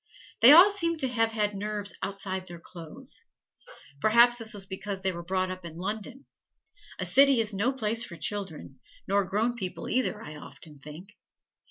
They all seem to have had nerves outside of their clothes. Perhaps this was because they were brought up in London. A city is no place for children nor grown people either, I often think.